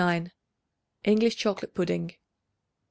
English Chocolate Pudding.